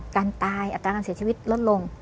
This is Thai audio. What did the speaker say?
การตายอัตราการเสียชีวิตลดลง